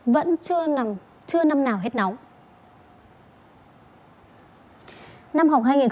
và các khu đô thị đông đúc quá tải dân cơ